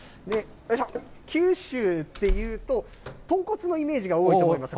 九州っていうと、豚骨のイメージが多いと思います。